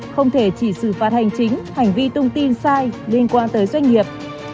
không thể chỉ xử phạt hành chính hành vi tung tin sai liên quan tới doanh nghiệp